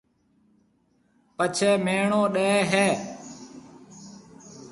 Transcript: پڇيَ ميڻيو ڏَي ھيََََ